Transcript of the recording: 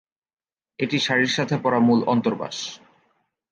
এটি শাড়ির সাথে পরা মূল অন্তর্বাস।